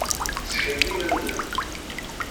Ssken-d iman-nnem.